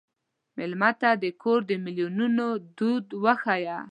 مېلمه ته د کور د مېلمنو دود وښیه.